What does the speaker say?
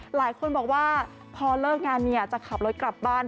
หลายคนบอกว่าพอเลิกงานเนี่ยจะขับรถกลับบ้าน